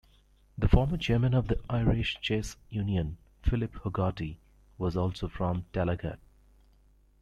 The former Chairman of the Irish Chess Union, Philip Hogarty, was also from Tallaght.